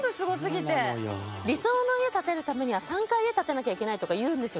理想の家建てるためには３回家建てなきゃいけないとかいうんですよ